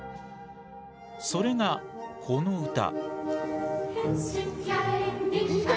それがこの歌。